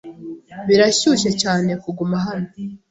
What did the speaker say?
Birashyushye cyane kuguma hano.